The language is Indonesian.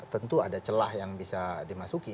tentu ada celah yang bisa dimasuki